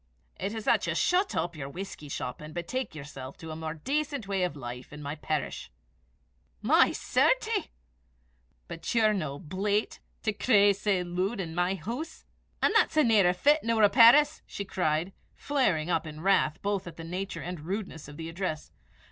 "it is that you shut up this whisky shop, and betake yourself to a more decent way of life in my parish." "My certie! but ye're no blate (over modest) to craw sae lood i' my hoose, an' that's a nearer fit nor a perris!" she cried, flaring up in wrath both at the nature and rudeness of the address.